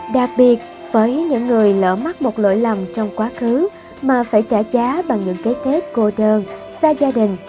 đặc biệt với những người lỡ mắc một lỗi lầm trong quá khứ mà phải trả giá bằng những cái tết cô đơn xa gia đình